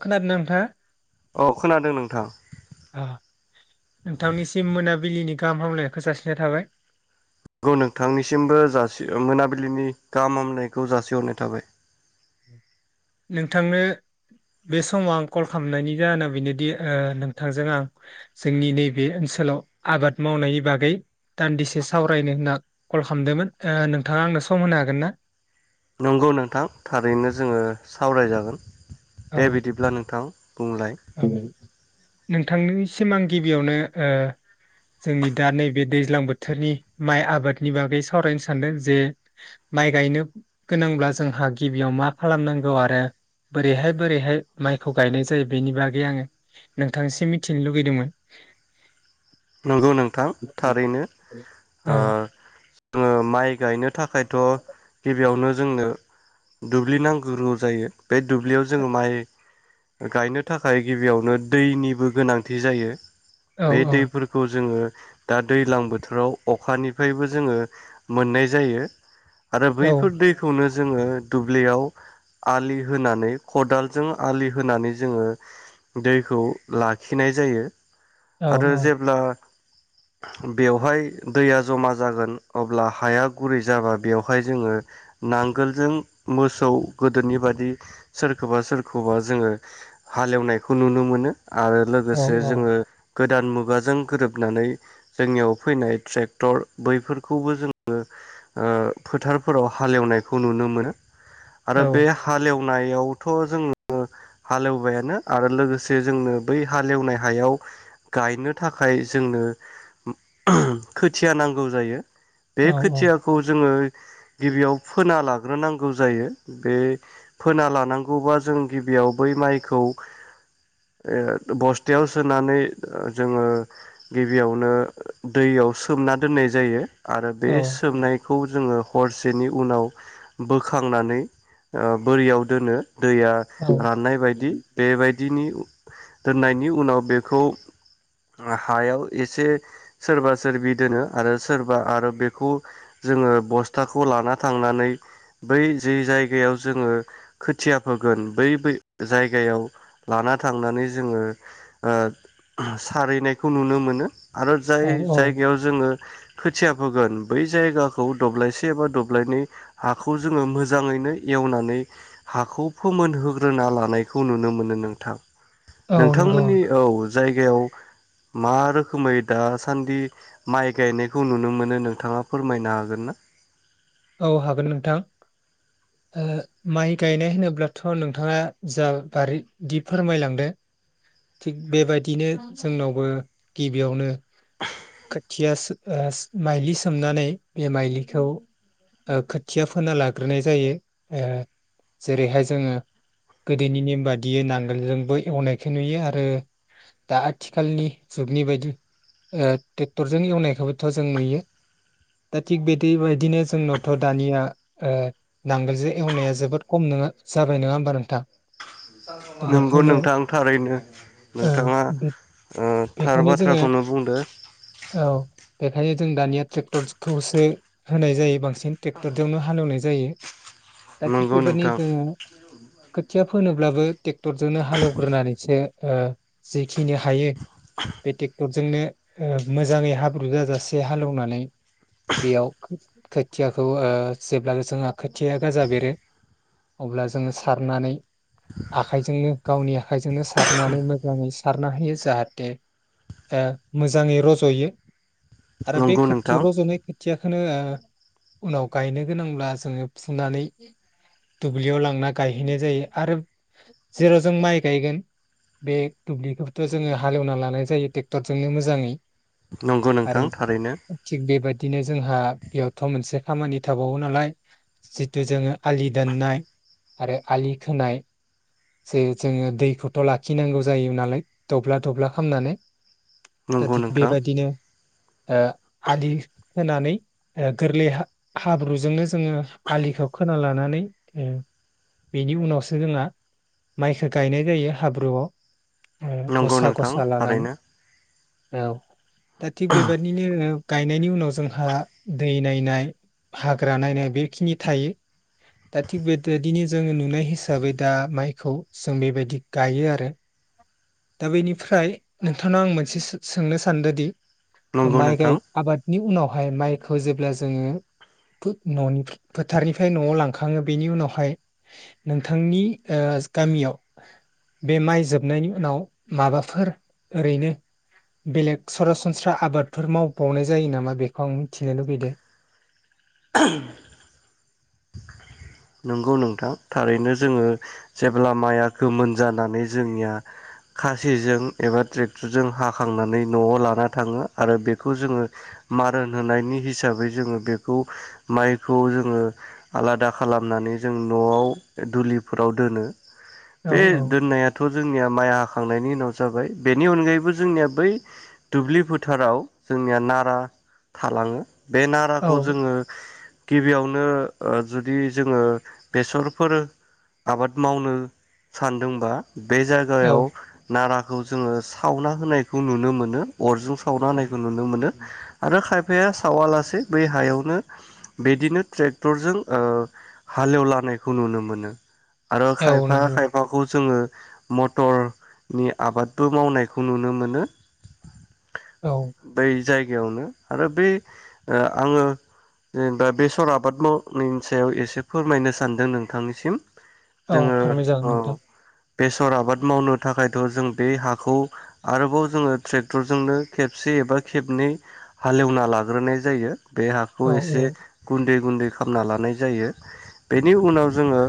खोनादों ना नोंथांङा? औ खोनादों नोंथां नोंथांनिसिम मोनाबिलिनि गाहाम हामलायखौ जासिनाय थाबाय। नंगौ नोंथांनिसिमबो जासि मोनाबिलिनि गाहाम हामनायखौ जासिहरनाय थाबाय। नोंथांनो बे समाव आं कल खालामनायनि जाहोना बेनोदि नोंथांजों आं जोंनि नैबे ओनसोलाव आबाद मावनायनि बागै दान्दिसे सावरायनो होनना कल खालामदोंमोन नोंथाङा आंनो सम होनो हागोन ना? नंगौ नोंथां थारैनो जोङो सावरायजागोन। दे बिदिब्ला नोंथां। बुंलाय ओम। नोंथांनिसिम आां गिबियावनो ओ जोंनि दा नैबे दैज्लां बोथोरनि माइ आबादनि बागै सावरायनो सानदों जे माइ गायनो गोनांब्ला जोंहा गिबियाव मा खालामनांगौ आरो बोरैहाय बोरैहाय माइखौ गायनाय जायो। बेनि बागै आङो नोंथांसिम मिथिनो लुगैदोंमोन। नंगौ नोंथां थारैनो। औ आङो माइ गायनो थाखायथ गिबियावनो जोंनो दुब्लि नांगौ जायो बे दुब्लियाव जोङो माइ गायनो थाखाय गिबियावनो दैनिबो गोनांथि जायो। औ बे दैफोर जोंङो दा दैज्लां बोथोराव अखानिफ्रायबो जोङो मोननाय जायो आरो औ बैफोर दैखौनो जोंङो दुब्लियाव आलि होनानै खदालजों आलि होनानै जोङो दैखौ लाखिनाय जायो औ आरो औ। जेब्ला बेवहाय दैया जमा जागोन अब्ला हाया गुरै जाबा बेवहाय जोङो नांगोलजों मोसौ गोदोनि बादि सोरखौबा सोरखौबा जोङो हालेवनायखौ नुनो मोनो आरो औ लोगोसे जोङो गोदान मुगा जों गोरोबनानै जोंनियाव फैनाय ट्रेक्टर बैफोरखौबो जोङो ओ फोथारफोराव हाल एवनायखौ नुनो मोनो आरो औ बे हालेव नायावथ' जोङो हाल एवबायानो आरो लोगोसे जोंनो बै हालेवनाय हायाव गायनो थाखाय जोंनो खोथिया नांगौ जायो बे औ खोथियाखौ जोङो गिबियाव फोना लाग्रोनांगौ जायो। बे फोना लानांगौबा जों गिबियाव बै माइखौ ओ बस्थायाव सोनानै जोङो गिबियावनो दैयाव सोमना दोननाय जायो आरो बे सोमनाय खौ जोङो हरसेनि उनाव बोखांनानै ओ बोरियाव दोनो दैया औ राननाय बायदि। बेबायदिनि दोननायनि उनाव बेखौ हायाव एसे सोरबा सोरबि दोनो आरो सोरबा आरो बेखौ जोङो बस्थाखौ लाना थांनानै बै जि जायगायाव जोङो खोथिया फोगोन बै बै जायगायाव लाना थांनानै जोङो ओ सारैनायखौ नुनो मोनो आरो जाय औ जायगायाव जोङो खोथिया फोगोन बै जायगाखौ दब्लायसे एबा दब्लायनै हाखौ जोङो मोजाङैनो एवनानै हाखौ फोमोनहोग्रोना लानायखौ नुनो मोनो नोंथां। औ नंगौ नोंथांमोननि औ जायगायाव मा रोखोमै दासान्दि माइ गायनायखौ नुनो मोनो नोंथाङा फोरमायनो हागोन ना? औ हागोन नोंथां ओ माइ गायनाय होनोब्लाथ' नोंथाङा जा बादि फोरमायलांदों थिग बेबायदिनो जोंनावबो गिबियावनो खियास ओस ओ माइलि सोमनानै बे माइलिखौ ओ खोथिया फोना लाग्रोनाय जायो ओ जेरैहाय जोङो गोदोनि नेम बादियै नांगोलजोंबो एवनायखौ नुयो आरो दा आथिखालनि जुगनि बायदि ओ ट्रेक्टरजों एवनायखौबोथ' जों नुयो। दा थिग बेदि बेबायदिनो जोंनावथ' दानिया ओ नांगोलजों एवनाया जोबोद खम नङा जाबाय नङा होमबा नोंथां? दा नंगौ बेखायनो नोंथां थारैनो ओ नोंथाङा ओ थार बेखायनो जोङो बाथ्राखौनो बुंदों। औ बेखायनो जों दानिया ट्रेक्टरखौसो होनाय जायो बांसिन ट्रेक्टरजोंनो हाल एवनाय जायो। दा थिग नंगौ बेबायदिनो नोंथां जोङो खोथिया फोनोब्लाबो टेक्टरजोंनो हाल एवग्रोनानैसो ओ जेखिनि हायो बे ट्रेक्टरजोंनो ओ मोजाङै हाब्रु जाजासे हालेवनानै बेयाव खोथियाखौ ओ जेब्ला जोंहा खोथिया गाजा बेरो अब्ला जोङो सारनानै आखाइजोंनो गावनि आखाइजोंनो सारनानै मोजाङै सारना होयो जाहाथे ओ मोजाङै रजयो आरो बे नंगौ खोथिया नोंथां रज'नाय खोथियाखौ होनो होआ उनाव गायनो गोनांब्ला जोङो फुनानै दुब्लियाव लांना गायहैनाय जायो आरो जेराव जों माइ गायगोन बे दुब्लिखौथ जोङो हालेवना लानाय जायो ट्रेक्टरजोंनो मोजाङै नंगौ आरो नोंथां थारैनो थिग बेबायदिनो जोंहा बेयाव मोनसे खामानि थाबावो नालाय जिथु जोङो आलि दोननाय आरो आलि खोनाय जे जोङो दैखौथ' लाखिनांगौ जायो नालाय दब्ला दब्ला खामनानै दा नंगौ थिग नोंथां बेबायदिनो आलि होनानै गोरलै हाब्रुजोंनो जोङो आलिखौ खोना लानानै बेनि उनावसो जोंहा माइखौ गायनाय जायो हाब्रुआव। ओ नंगौ गसा नोंथां गसा लानानै थारैनो औ दा थिक बेबायदिनो गायनायनि उनाव जोंहा दै नायनाय हाग्रा नायनाय बेखिनि थायो दा थिग बेबायदिनो जोङो नुनाय हिसाबै दा माइखौ जों बेबायदि गायो आरो। दा बेनिफ्राय नोंथांनाव आं मोनसे सोंनो सानदोंदि नंगौ माइ नोंथां गाय आबादनि उनावहाय माइ खौ जेब्ला जोङो न'नि फोथारनिफ्राय न'आव लांखाङो बेनि उनावहाय नोंथांनि गामियाव बे माइ जोबनायनि उनाव माबाफोर ओरैनो बेलेग सरासनस्रा आबादफोर मावबावनाय जायो नामा बेखौ आं मिथिनो लुबैदों? [unintelligible] नंगौ नोंथां थारैनो जोङो जेब्ला माइआ गोमोन जानानै जोंनिया खासिजों एबा ट्रेक्टरजों हाखांनानै न'आव लाना थाङो आरो बेखौ जोङो मारन होनायनि हिसाबै जोङो बेखौ माइखौ जोङो आलादा खालामनानै जों न'वाव दुलिफोराव दोनो। औ बे दोननायाथ' जोंनिया माइ हाखांनायनि उनाव जाबाय बेनि अनगायैबो जोंनिया बै दुब्लि फोथाराव जोंनिया नारा थालाङो। बे औ नाराखौ जोङो गिबियावनो ओ जुदि जोङो बेसरफोर आबाद मावनो सानदोंबा बे जायगायाव औ नारा जोङो सावना होनायखौ नुनो मोन अरजों सावना औ होनाय नुनो मोनो आरो खायफा फाया सावालासे बै हायावनो बिदिनो ट्रेक्टरजों ओ हाल एवलानायखौ नुनो मोनो। आरो औ खायफा नंगौ खायफाखौ जोङो मटर नि आबादबो मावनायखौ नुनो मोनो। औ बै जायगायावनो आरो बे आङो जेनेबा बेसर आबाद माव नि सायाव एसे फोरमायनो सानदों नोंथांनिसिम औ जोङो फोरमायजागोन औ नोंथां बेसर आबाद मावनो थाखाय थ' जों बे हाखौ आरोबाव जोङो ट्रेक्टरजोंनो खेबसे एबा खेबनै हालेवना लाग्रोनाय जायो। बे हाखौ औ औ एसे गुन्दै गुन्दै खामना लानाय जायो बेनि उनाव जोङो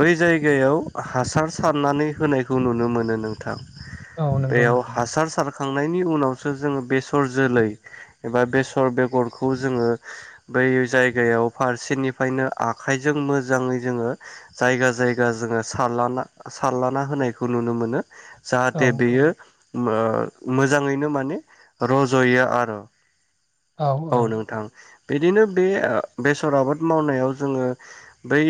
बै जायगायाव हासार सारनानै होनायखौ नुनो मोनो नोंथां। औ नंगौ बेयाव नोंथां हासार सारख खांनायनि उनावसो जोङो बेसर जोलै एबा बेसर बेगरखौ जोङो बै जायगायाव फारस सेनिफ्रायनो आखाइजों मोजाङै जोङो जायगा जायगा जोङो सालाना सारलाना होनायखौ नुनो मोनो। औ जाहाथे बेयो मो मोजाङैनो माने रज'यो आरो औ नोंथां। बिदिनो बे ओ बेसर आबाद मावनायाव जोङो बै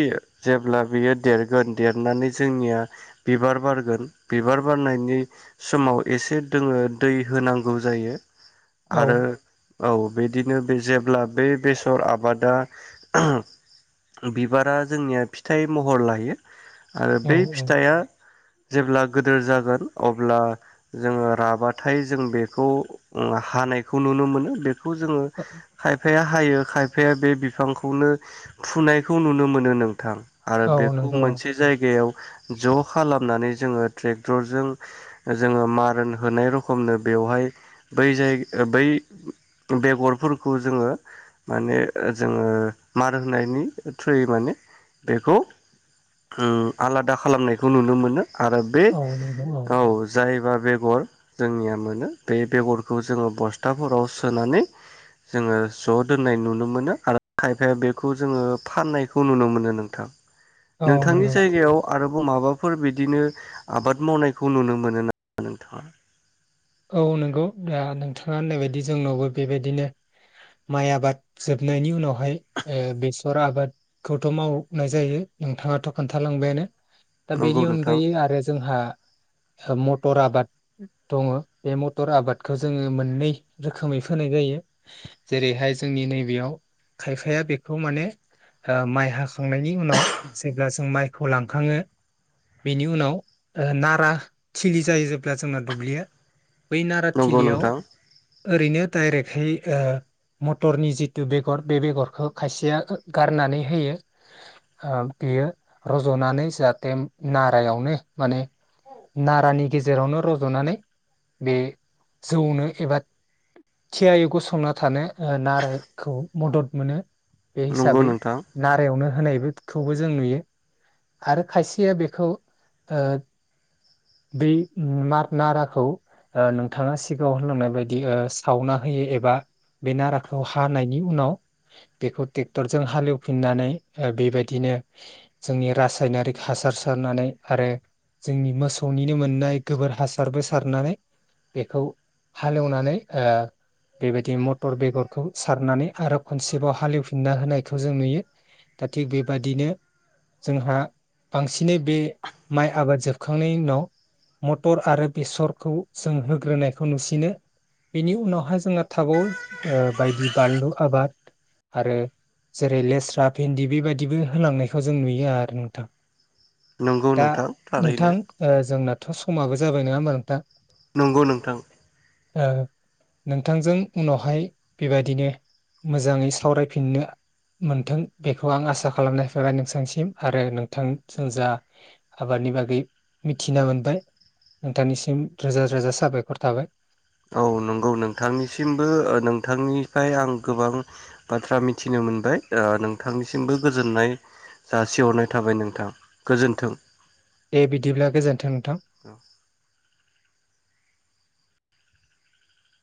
जेब्ला बियो देरगोन देरनानै जोंनिया बिबार बारगोन बिबार बारनायनि समाव एसे दोङो दै होनांगौ जायो। औ आरो औ बिदिनो बे जेब्ला बे बेसर आबादा बिबारा जोंनिया फिथाइ महर लायो। आरो बै फिथाइया जेब्ला गोदोर जागोन अब्ला जोङो राबाथाय जों बेखौ ओ हानायखौ नुनो मोनो बेख खौ जोङो खायफाया हायो खायफाया बे बिफांख खौनो फुनायखौ नुनो मोनो नोंथां। आरो औ बेखौ नंगौ मोनसे जायगायाव ज' खालामनानै जोङो ट्रेक्टरजों जोङो मारोन होनाय रखमनो बेवहाय बै जाय बै बेगरफोरखौ जोङो माने ओ जोङो मार होनायनि ओ थ्रुयै माने बेखौ उम आलादा खालामनायखौ नुनो मोनो। आरो बे औ नंगौ औ जाय एबा बेगर जोंनिया मोनो बे बेगरखौ जोङो बस्थाफोराव सोनानै जोङो ज' दोननाय नुनो मोनो आरो खायफाया बेखौ जोङो फाननायखौ नुनो मोनो नोंथां। औ नोंथांनि नंगौ जायगायाव आरो गु माबाफोर बिदिनो आबाद मावनायखौ नुनो मोनो ना नोंथाङा? औ नोंगौ दा नोंथ थ्रा होननाय बायदि जोंनावबो बेबायदिनो माइ आबाद जोबनायनि उनावहाय ओ बेसर आबादखौथ' मावनाय जायो नोंथाङाथ' खोन्थालांबायानो। दा बेनि नंगौ नोंथां अनगायै आरो जोंहा ओ मथ थर आबाद दङो। बे मटर आबादखौ जोङो मोननै रोखोमै फोनाय जायो जेरैहाय जोंनि नैबेयाव खायफाया बेखौ माने ओ माइ हाख खांनायनि उनाव जेब्ला जों माइ खौ लांखाङो बेनि उनाव ओ नारा थिलि जायो जेब्ला जोंना दुब्लिया। बै नंगौ नाराथिलियाव नोंथां ओरैनो डायरेकहै ओ मटरनि जिथु बेगर बे बेगरखौ खायसेया ओ गारनानै होयो ओ बेयो रज'नानै जाहाथे नारायावनो माने नारानि गेजेरावनो रज'नानै बे जौनो एबा थियायै गसंना थानो ओ नारोखौ मदद मोनो। बे नंगौ हिसाबै नोंथां नारायावनो होनायखौबो जों नुयो आरो खायसेया बेखौ बै नाराखौ नोंथाङा सिगाङाव होनलांनाय बायदि सावना होयो एबा बे नाराखौ हानायनि उनाव बेखौ ट्रेक्टरजों हालेवफिननानै बेबायदिनो जोंनि रासायनारिक हासार सारनानै आरो जोंनि मोसौनिनो मोननाय गोबोर हासारबो सारनानै बेखौ हालेवनानै ओ बेबायदि मटर बेगरखौ सारनानै आरो खनसेबाव हालेवफिनना होनायखौ जों नुयो दा थिग बेबादिनो जोंहा बांसिनै बे माइ आबाद जोबखांनायनि उनाव मटर आरो बेसरखौ जों होग्रोनायखौ नुसिनो बेनि उनावहाय जोंहा थागौ बायदि बानलु आबाद आरो जेरै लेस्रा, भेन्दि बेबायदिबो होलांनायखौ जों नुयो आरो नोंथां। नंगौ दा नोंथां थारैनो नोंथां जोंना थ' समाबो जाबाय नङा होनबा नोंथां। नंगौ नोंथां। ओ नोंथांजों उनावहाय बेबायदिनो मोजाङै सावरायफिननो मोनथों बेखौ आं आसा खालामनाय फैाय नोंथांसिम आरो नोंथांजों जा आबादनि बागै मिथिना मोनबाय नोंथांनिसिम। रोजा रोजा साबायखर थाबाय। औ नंगौ नोंथांनिसिमबो नोंथांनिफ्राय आं गोबां बाथ्रा मिथिनो मोनबाय नोंथांनिसिमबो गोजोननाय जासिहरनाय थाबाय नोंथां गोजोन्थों। दे बिदिब्ला गोजोन्थों नोंथां।